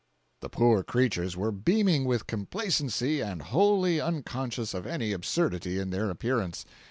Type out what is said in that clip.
485.jpg (90K) The poor creatures were beaming with complacency and wholly unconscious of any absurdity in their appearance.